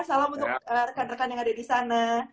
salam untuk rekan rekan yang ada di sana